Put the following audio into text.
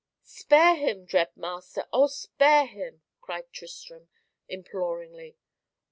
"Spare him, dread master! oh, spare him!" cried Tristram imploringly.